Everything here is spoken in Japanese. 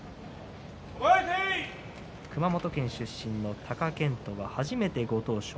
熊本県出身の貴健斗は初めてのご当所。